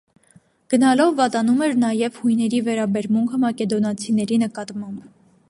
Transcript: Գնալով վատանում էր նաև հույների վերաբերմունքը մակեդոնացիների նկատմամբ։